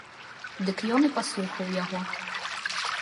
Дык ён і паслухаў яго.